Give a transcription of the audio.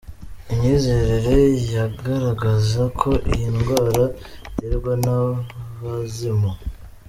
Imyizerere yagaragza ko iyi ndwara iterwa n’abazimu.